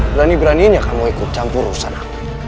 berani beraninya kamu ikut campur urusan aku